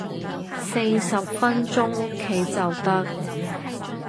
四十分鐘屋企就得